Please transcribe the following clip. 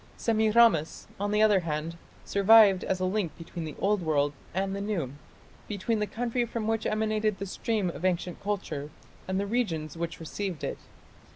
Semiramis, on the other hand, survived as a link between the old world and the new, between the country from which emanated the stream of ancient culture and the regions which received it.